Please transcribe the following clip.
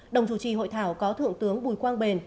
đồng chủ trì hội thảo có thượng tướng bùi quang bền